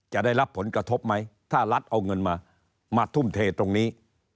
จะได้รับผลกระทบไหมถ้ารัฐเอาเงินมามาทุ่มเทตรงนี้